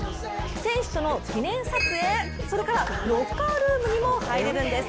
選手との記念撮影、それから、ロッカールームにも入れるんです。